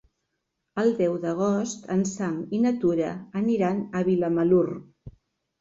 El deu d'agost en Sam i na Tura aniran a Vilamalur.